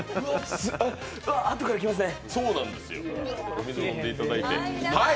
うわっ、あとから来ますね。